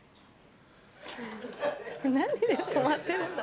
何で止まってるんだ？